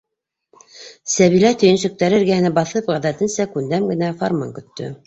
- Сәбилә, төйөнсөктәре эргәһенә баҫып, ғәҙәтенсә күндәм генә фарман көттө.